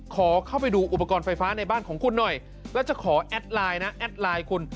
ขอเข้าไปดูอุปกรณ์ไฟฟ้าในบ้านของคุณหน่อยแล้วจะขอแอดไลน์นะแอดไลน์คุณ